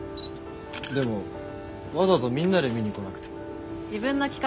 でもわざわざみんなで見に来なくても。